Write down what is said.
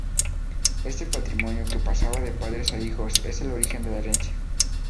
Este patrimonio que pasaba de padres a hijos es el origen de la herencia.